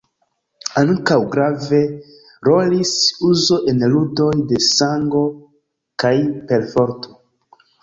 Ankaŭ grave rolis uzo en ludoj de sango kaj perforto.